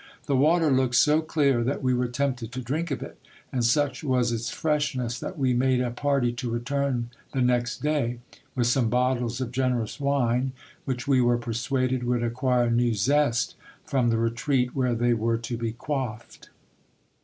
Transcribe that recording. The water looked so clear, that we were tempted to drink of it ; and such was its freshness, that we made a party to return the next day, with some bottles of generous wine, which we were persuaded would acquire new zest from the retreat where they were to be quaffed.